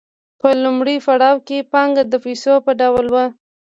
په لومړي پړاو کې پانګه د پیسو په ډول وه